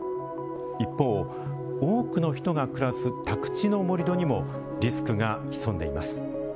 一方、多くの人が暮らす宅地の盛土にもリスクが潜んでいます。